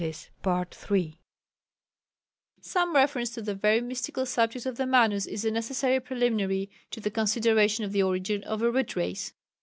Some reference to the very mystical subject of the Manus is a necessary preliminary to the consideration of the origin of a Root Race.